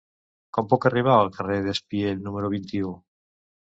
Com puc arribar al carrer d'Espiell número vint-i-u?